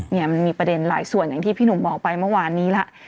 เนี่ยมันมีประเด็นหลายส่วนอย่างที่พี่หนุ่มบอกไปเมื่อวานนี้แล้ว